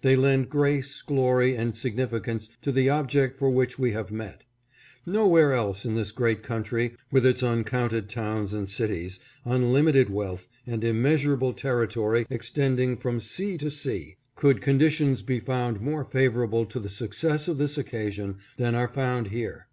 They lend grace, glory, and significance to the object for which we have met. No where else in this great country, with its uncounted towns and cities, unlimited wealth, and immeasurable territory extending from sea to sea, could conditions be found more favorable to the success of this occasion than are found here.